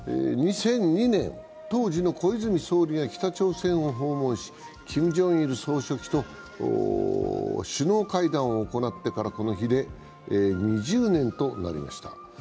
２００２年、当時の小泉総理が北朝鮮を訪問しキム・ジョンイル総書記と首脳会談を行ってから、この日で２０年となりました。